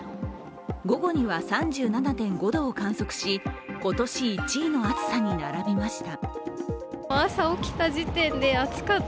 午後には３７．５度を観測し、今年１位の暑さに並びました。